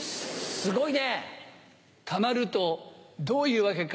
すごいね。